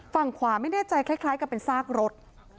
ฝั่งขวาไม่แน่ใจคล้ายกับเป็นซากรถ